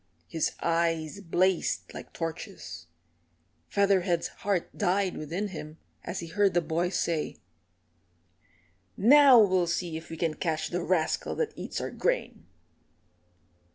His eyes blazed like torches. Featherhead's heart died within him as he heard the boys say, "Now we'll see if we can catch the rascal that eats our grain."